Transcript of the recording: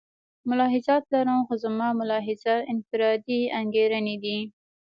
ملاحظات لرم خو زما ملاحظات انفرادي انګېرنې دي.